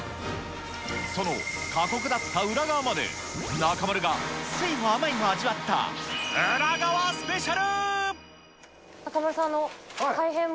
その過酷だった裏側まで、中丸が酸いも甘いも味わった裏側スペシャル。